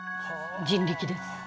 人力です。